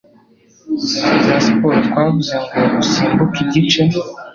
za siporo twavuze ngo usimbuke igice